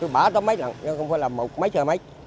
bả đến tóm mấy không phải là một mấy trời mấy